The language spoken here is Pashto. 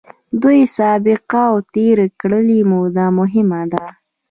دوی سابقه او تېره کړې موده مهمه ده.